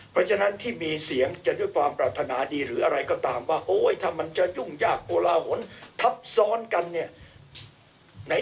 เพราะฉะนั้นที่มีเสียงจะด้วยความปรารถนาดีหรืออะไรก็ตามว่าโอ้ยถ้ามันจะยุ่งยากโกลาหลทับซ้อนกันเนี่ย